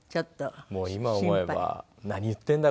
もう今思えば何言ってんだ？